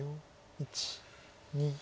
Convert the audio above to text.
１２。